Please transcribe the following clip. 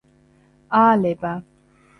აალება